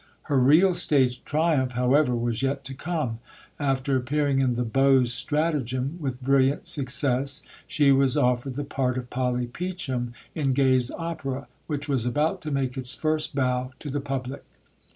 Her real stage triumph, however, was yet to come. After appearing in the Beaux's Stratagem with brilliant success she was offered the part of Polly Peachum in Gay's Opera, which was about to make its first bow to the public.